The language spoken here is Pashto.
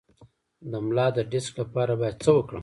د ملا د ډیسک لپاره باید څه وکړم؟